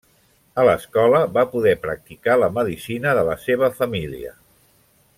A l'escola va poder practicar la medicina de la seva família.